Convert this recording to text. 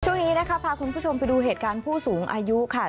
ช่วงนี้นะคะพาคุณผู้ชมไปดูเหตุการณ์ผู้สูงอายุค่ะ